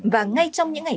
và ngay trong những ngày